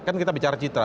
ya kan kita bicara citra